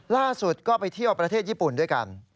ล่าสุดก็ไปเที่ยวประเทศญี่ปุ่นด้วยกัน